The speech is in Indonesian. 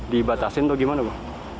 dibatasin atau gimana